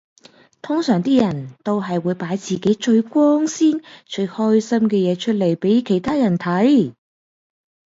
通常啲人都係會擺自己最光鮮最開心嘅樣出嚟俾其他人睇